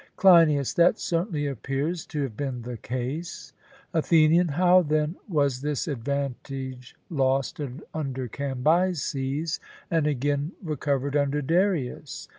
CLEINIAS: That certainly appears to have been the case. ATHENIAN: How, then, was this advantage lost under Cambyses, and again recovered under Darius?